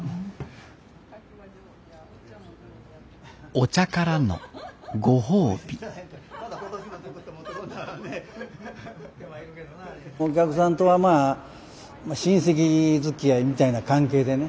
お茶からのご褒美お客さんとはまあ親戚づきあいみたいな関係でね。